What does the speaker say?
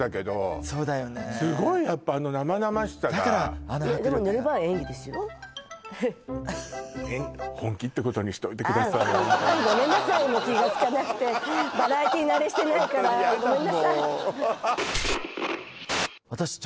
あーんごめんなさい気がつかなくてバラエティー慣れしてないからごめんなさい